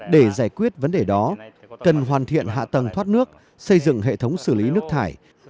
để giải quyết vấn đề đó cần hoàn thiện hạ tầng thoát nước xây dựng hệ thống xử lý nước thải